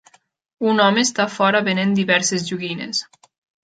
Un home està fora venent diverses joguines.